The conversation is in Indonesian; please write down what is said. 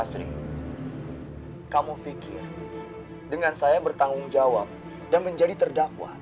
sri kamu fikir dengan saya bertanggung jawab dan menjadi terdakwa